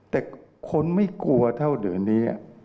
แต่คนไม่กลัวเท่าเดี๋ยวนี้